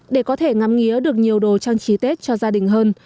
để có thể ngắm mía được nhiều đồ trang trí tết cho gia đình hơn